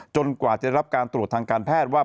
กว่าจะรับการตรวจทางการแพทย์ว่า